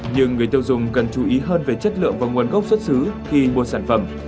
nhưng người tiêu dùng cần chú ý hơn về chất lượng và nguồn gốc xuất xứ khi mua sản phẩm